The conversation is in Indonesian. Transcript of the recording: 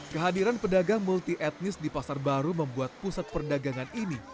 kehadiran pedagang multi etnis di pasar baru membuat pusat perdagangan ini